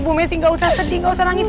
bu messi gak usah sedih gak usah nangis